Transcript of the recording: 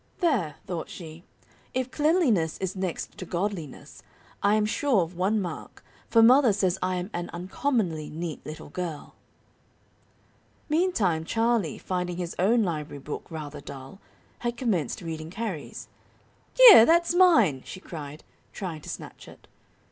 "There," thought she, "if 'cleanliness is next to godliness,' I am sure of one mark, for mother says I am an uncommonly neat little girl." Meantime, Charlie, finding his own library book rather dull, had commenced reading Carrie's. "Here! that's mine," she cried, trying to snatch it.